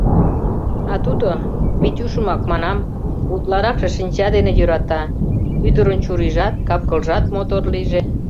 А тудо, Витюшымак манам, утларакше шинча дене йӧрата: ӱдырын чурийжат, кап-кылжат мотор лийже.